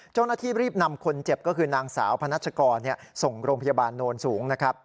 เจ้าหน้าที่รีบนำคนเจ็บก็คือนางสาวพนัชกรส่งโรงพยาบาลโนนสูงนะครับ